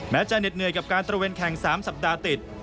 จะเหน็ดเหนื่อยกับการตระเวนแข่ง๓สัปดาห์ติด